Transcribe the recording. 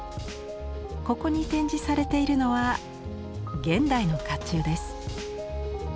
ここに展示されているのは現代の甲冑です。